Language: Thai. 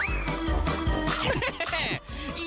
ยักษ์ฮู้